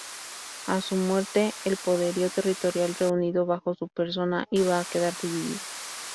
A su muerte, el poderío territorial reunido bajo su persona iba a quedar dividido.